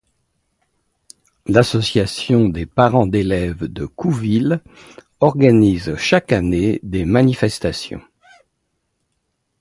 L'Association des parents d’élèves de Couville organise chaque année des manifestations.